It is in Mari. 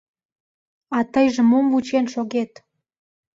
— А тыйже мом вучен шогет?